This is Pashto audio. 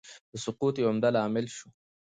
د سقوط یو عمده عامل شو.